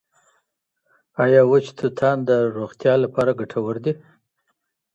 آیا وچ توتان د روغتیا له پاره ګټور دي؟.